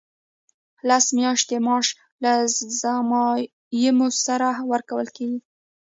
لس میاشتې معاش له ضمایمو سره ورکول کیږي.